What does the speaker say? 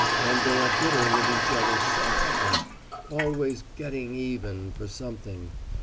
And they are bitter with each other so often always `getting even' for something.